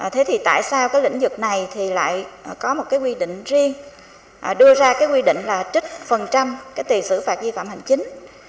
thế thì tại sao cái lĩnh vực này thì lại có một cái quy định riêng đưa ra cái quy định là trích phần trăm cái tiền xử phạt vi phạm hành chính